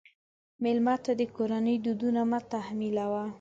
مېلمه ته د کورنۍ دودونه مه تحمیلوه.